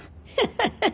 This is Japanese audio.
ハハハハ！